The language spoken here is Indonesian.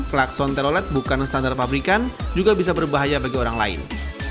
klakson telolet bukan standar pabrikan juga bisa berbahaya bagi orang lain